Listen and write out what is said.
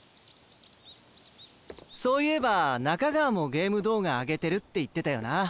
そういえば中川もゲーム動画上げてるって言ってたよな。